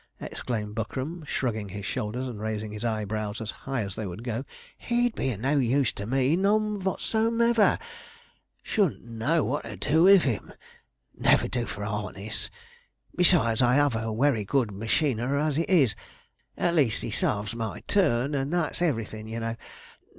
exclaimed Buckram, shrugging up his shoulders, and raising his eyebrows as high as they would go, 'he'd be of no use to me, none votsomever shouldn't know what to do with him never do for 'arness besides, I 'ave a werry good machiner as it is at least, he sarves my turn, and that's everything, you know.